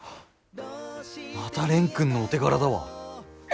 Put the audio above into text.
また蓮くんのお手柄だわ。